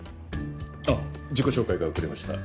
あっ自己紹介が遅れました。